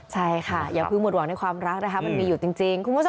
ใช่ค่ะอย่าเพิ่งหมดหวังในความรักนะคะมันมีอยู่จริงคุณผู้ชม